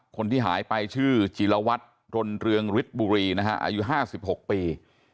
คนที่หายไปชื่อจีรวัตรรนเรืองฤทบุรีนะฮะอายุห้าสิบหกปี